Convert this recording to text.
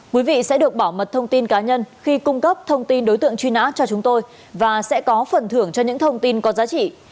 quý vị sẽ được bảo mật thông tin cá nhân khi cung cấp thông tin đối tượng truy nã cho chúng tôi và sẽ có phần thưởng cho những thông tin có giá trị